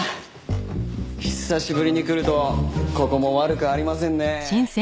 久しぶりに来るとここも悪くありませんね。